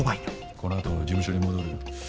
この後事務所に戻るよ。